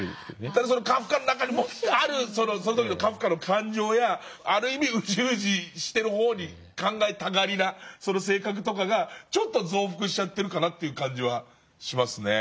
ただカフカの中にもあるその時のカフカの感情やある意味ウジウジしてる方に考えたがりなその性格とかがちょっと増幅しちゃってるかなという感じはしますね。